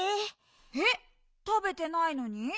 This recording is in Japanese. えったべてないのに？